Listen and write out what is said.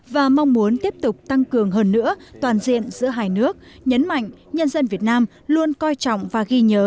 và mong muốn tiếp tục tăng cường hơn nữa toàn diện giữa hai nước nhấn mạnh nhân dân việt nam luôn coi trọng và ghi nhớ